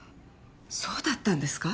そうだったんですか？